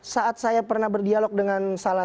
saat saya pernah berdialog dengan salah